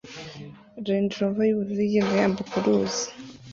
Land Rover yubururu igenda yambuka uruzi